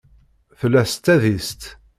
Tella s tadist.